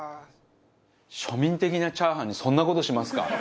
庶民的なチャーハンにそんな事しますか。